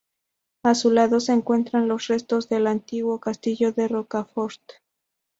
A su lado se encuentran los restos del antiguo castillo de Rocafort.